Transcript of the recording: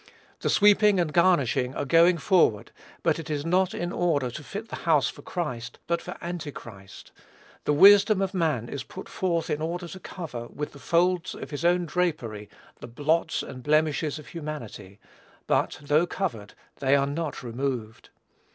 The sweeping and garnishing are going forward; but it is not in order to fit the house for Christ, but for Antichrist. The wisdom of man is put forth in order to cover, with the folds of his own drapery, the blots and blemishes of humanity; but, though covered, they are not removed!